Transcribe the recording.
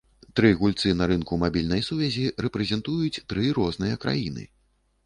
Тры гульцы на рынку мабільнай сувязі рэпрэзентуюць тры розныя краіны.